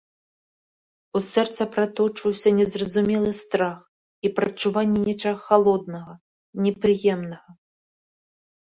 У сэрца праточваўся незразумелы страх і прадчуванне нечага халоднага, непрыемнага.